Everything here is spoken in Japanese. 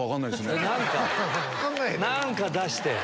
何か出して！